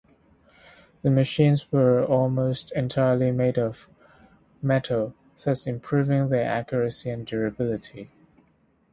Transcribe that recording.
The machines were almost entirely made of metal thus improving their accuracy and durability.